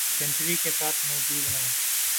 century کے ساتھ موجود ہیں